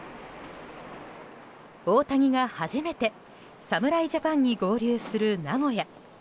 大谷が初めて侍ジャパンに合流する名古屋。